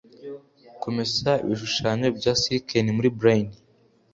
Kumesa ibishushanyo bya silken muri brine